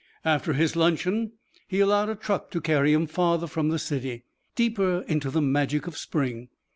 After his luncheon he allowed a truck to carry him farther from the city, deeper into the magic of spring.